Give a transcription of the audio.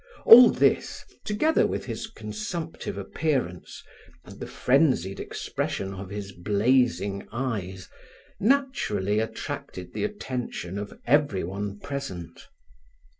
All this, together with his consumptive appearance, and the frenzied expression of his blazing eyes, naturally attracted the attention of everyone present.